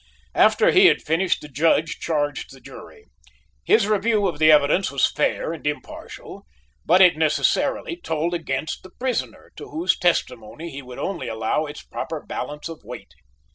After he had finished, the Judge charged the jury. His review of the evidence was fair and impartial, but it necessarily told against the prisoner, to whose testimony he would only allow its proper balance of weight.